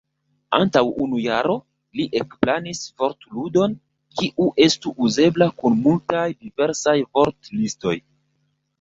Antaŭ unu jaro li ekplanis vortludon kiu estu uzebla kun multaj diversaj vortlistoj.